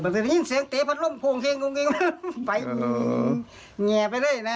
มันได้ยินเสียงเตะพัดล่มโผงเครงไฟอืมแง่ไปเลยนะ